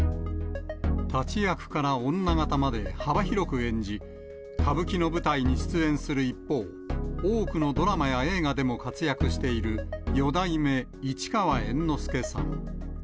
立役から女形まで幅広く演じ、歌舞伎の舞台に出演する一方、多くのドラマや映画でも活躍している、四代目市川猿之助さん。